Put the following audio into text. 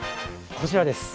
こちらです。